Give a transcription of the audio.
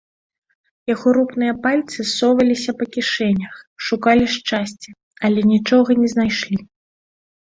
Яго рупныя пальцы соваліся па кішэнях, шукалі шчасця, але нічога не знайшлі.